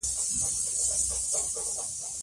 صبر د ژوند په سختو حالاتو کې د بریا لویه وسیله ده.